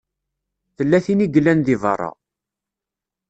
Tella tin i yellan di beṛṛa.